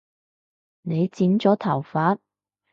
你剪咗頭髮？